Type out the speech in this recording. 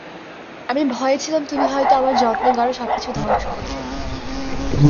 আমি ভয়ে ছিলাম তুমি হয়তো আমার যত্নে গড়া সবকিছু ধ্বংস করে ফেলবে।